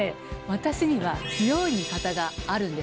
私には強い味方があるんです。